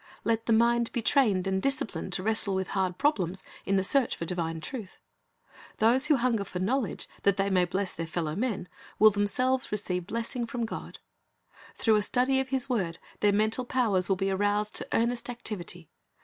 Let the mind be trained and disciplined to wrestle with hard problems in the search for divine truth. Those who hunger for knowledge that they may bless their fellow men will themselves receive blessing from God. Through the study of His word their mental powers will be aroused to earnest activity.